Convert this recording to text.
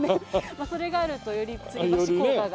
まあそれがあるとよりつり橋効果が。